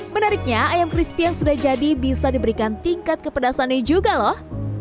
menariknya ayam crispy yang sudah jadi bisa diberikan tingkat kepedasannya juga loh